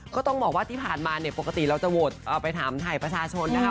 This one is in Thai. ก็ต้องบอกว่าที่ผ่านมาเนี่ยปกติเราจะโหวตไปถามถ่ายประชาชนนะคะ